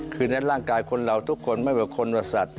คือนั้นร่างกายคนเราทุกคนไม่ว่าคนว่าสัตว